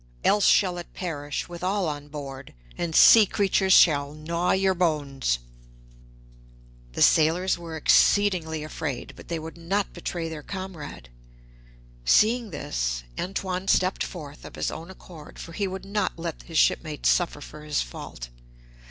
Else shall it perish, with all on board, and sea creatures shall gnaw your bones.' The sailors were exceedingly afraid, but they would not betray their comrade. Seeing this, Antoine stepped forth of his own accord, for he would not let his shipmates suffer for his fault.